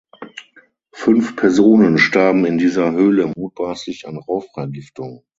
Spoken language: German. Fünf Personen starben in dieser Höhle mutmaßlich an Rauchvergiftung.